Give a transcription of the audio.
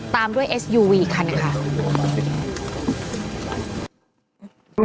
ตามด้วยเอสยูวีคันนะคะ